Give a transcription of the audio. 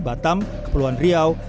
batam kepulauan riau